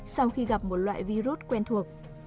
sau khi gặp một loại virus quen thuộc